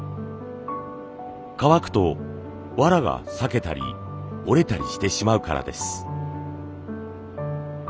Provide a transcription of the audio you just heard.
乾くとわらが割けたり折れたりしてしまうからです。